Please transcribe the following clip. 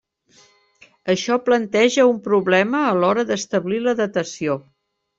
Això planteja un problema a l'hora d'establir la datació.